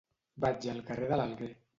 Vaig al carrer de l'Alguer.